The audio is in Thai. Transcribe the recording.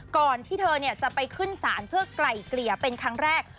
ก่อนที่เธอจะไปขึ้นศาลเพื่อไกล่เกลี่ยเป็นครั้งแรก